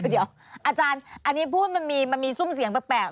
เดี๋ยวอาจารย์อันนี้พูดมันมีซุ่มเสียงแปลก